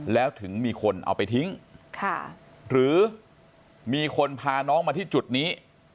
แล้วถึงมีคนเอาไปทิ้งหรือมีคนพาน้องมาที่จุดนี้